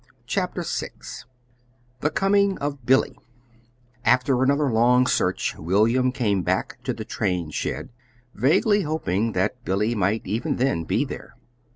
CHAPTER VI THE COMING OF BILLY After another long search William came back to the train shed, vaguely hoping that Billy might even then be there.